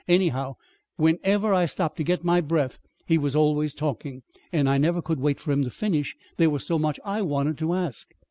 Anyhow, whenever I stopped to get my breath he was always talking; and I never could wait for him to finish, there was so much I wanted to ask.